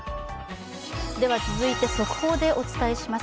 続いて速報でお伝えします。